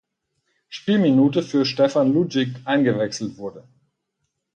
Spielminute für Stevan Lujic eingewechselt wurde.